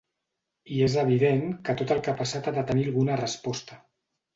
I és evident que tot el que ha passat ha de tenir alguna resposta.